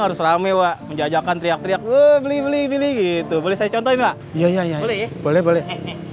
harus rame wa menjajakan teriak teriak beli beli gitu boleh saya contohin ya ya ya boleh boleh